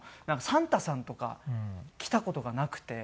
サンタさんとか来た事がなくて。